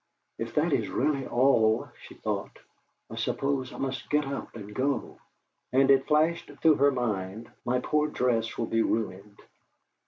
'.f that is really all,' she thought, 'I suppose I must get up and go!' And it flashed through her mind: 'My poor dress will be ruined!'